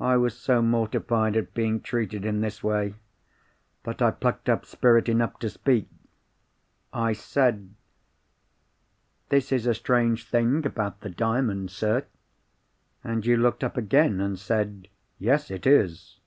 I was so mortified at being treated in this way, that I plucked up spirit enough to speak. I said, 'This is a strange thing about the Diamond, sir.' And you looked up again, and said, 'Yes, it is!